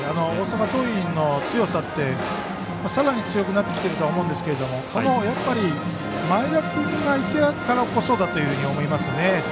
大阪桐蔭の強さってさらに強くなってきていると思うんですけどやっぱり前田君がいたからこそだというふうに思いますね。